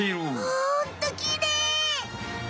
ほんときれい！